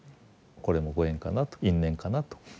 これもご縁かなと因縁かなと。